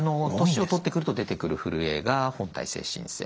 年を取ってくると出てくるふるえが本態性振戦。